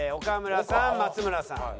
岡村さん松村さん。